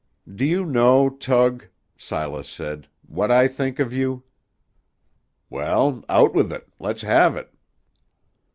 "Do you know, Tug," Silas said, "what I think of you?" "Well, out with it. Let's have it."